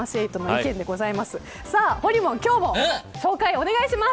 ほりもん、今日も紹介お願いします。